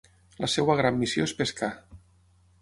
La seva gran missió és pescar.